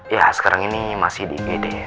ya sekarang ini masih di pd